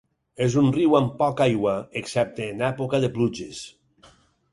És un riu amb poca aigua excepte en època de pluges.